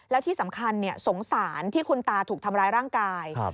แล้วที่สำคัญสงสารที่คุณตาถูกทำร้ายร่างกาย